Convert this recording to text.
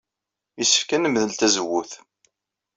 Yessefk ad nemdel tazewwut.